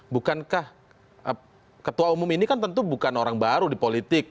bukankah ketua umum ini kan tentu bukan orang baru di politik